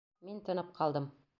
Мин тынып ҡалдым.